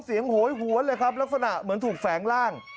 โหยหวนเลยครับลักษณะเหมือนถูกแฝงร่าง